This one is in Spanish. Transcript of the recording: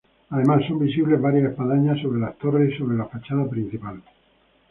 Además son visibles varias espadañas sobre las torres y sobre la fachada principal.